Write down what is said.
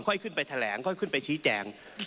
ค่อยขึ้นไปแถลงค่อยขึ้นไปชี้แจง